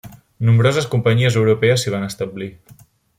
Nombroses companyies europees s'hi van establir.